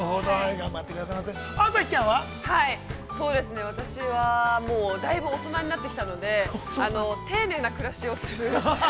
◆はい、そうですね、私はもうだいぶ大人になってきたので丁寧な暮らしをする。